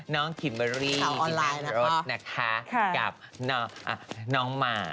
น้องครีมเบอรี่ที่มารถนะคะกับน้องหมา